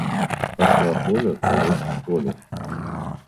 Пошла Поля полоть в поле.